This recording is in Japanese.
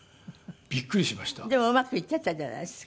でもうまくいってたじゃないですか。